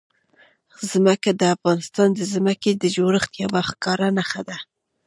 ځمکه د افغانستان د ځمکې د جوړښت یوه ښکاره نښه ده.